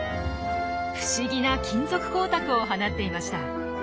不思議な金属光沢を放っていました。